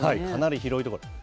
かなり広い所。